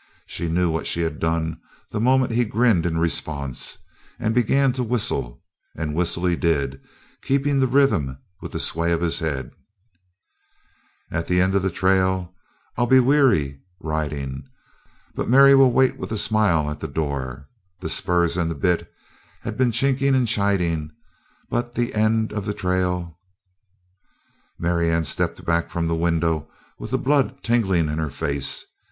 She knew what she had done the moment he grinned in response and began to whistle, and whistle he did, keeping the rhythm with the sway of his head: "At the end of the trail I'll be weary riding But Mary will wait with a smile at the door; The spurs and the bit had been chinking and chiding But the end of the trail " Marianne stepped back from the window with the blood tingling in her face.